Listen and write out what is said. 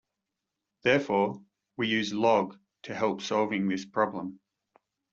Therefore, we use 'log' to help solving this problem.